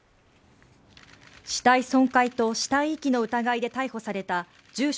死体損壊と死体遺棄の疑いで逮捕された住所